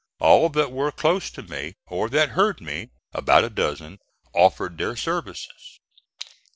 All that were close to me, or that heard me, about a dozen, offered their services.